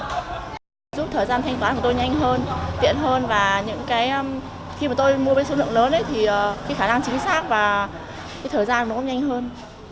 giúp thời gian thanh toán của tôi nhanh hơn tiện hơn và khi mà tôi mua với số lượng lớn thì khả năng chính xác và thời gian của nó cũng nhanh hơn